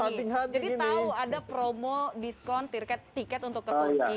jadi tau ada promo diskon tiket untuk ke turki